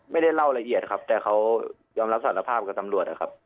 ไม่ได้เล่าละเอียดครับแต่เขายอมรับสารภาพกับตำรวจนะครับ